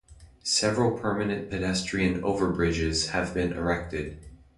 Several permanent pedestrian overbridges have been erected.